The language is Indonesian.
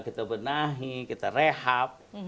kita benahi kita rehab